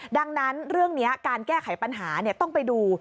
ดังนั้นเรื่องนี้การแก้ไขปัญหาต้องไปดู